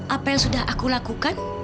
apa yang sudah aku lakukan